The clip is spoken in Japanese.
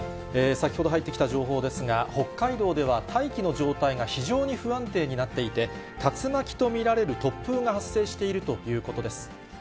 先ほど入ってきた情報ですが、北海道では大気の状態が非常に不安定になっていて、竜巻と見られる突風が発生しているということです。